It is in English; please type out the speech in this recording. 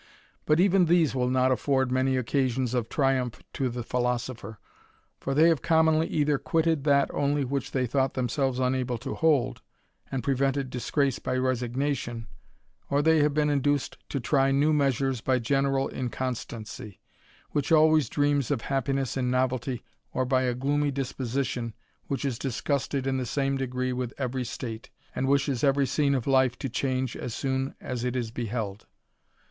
But, even ^ese will not afford many occasions of triumph to the • Note v., Appendix. 76 THE RAMBLER. philosopher; for they have commonly either quitted that only which they thought themselves unable to hold, and prevented disgrace by resignation; or they have been induced to try new measures by general inconstancy, which always dreams of happiness in novelty, or by a gloomy disposition, which is disgusted in the same degree with every state, and wishes every scene of life to change as soon as it is beheld.